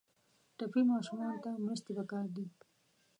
ټپي ماشومانو ته مرستې پکار دي.